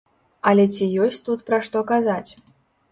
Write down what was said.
Але ці ёсць тут пра што казаць?